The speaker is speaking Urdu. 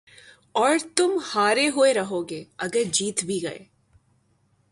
اور تُمہارے ہوئے رہو گے اگر جیت بھی گئے